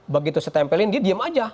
begitu saya tempelin dia diem aja